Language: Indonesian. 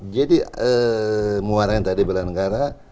jadi muaranya tadi belanegara